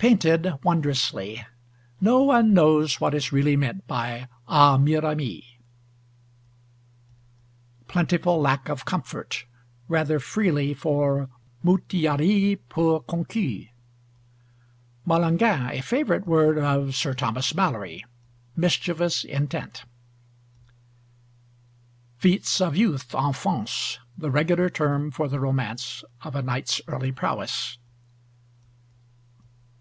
PAINTED WONDROUSLY. No one knows what is really meant by a miramie. PLENTIFUL LACK OF COMFORT: rather freely for Mout i aries peu conquis. MALENGIN: a favourite word of Sir Thomas Malory: "mischievous intent." FEATS OF YOUTH: ENFANCES, the regular term for the romance of a knight's early prowess.